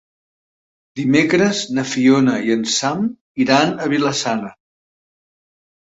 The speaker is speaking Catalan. Dimecres na Fiona i en Sam iran a Vila-sana.